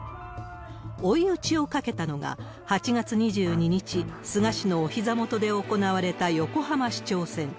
追い打ちをかけたのが、８月２２日、菅氏のおひざ元で行われた横浜市長選。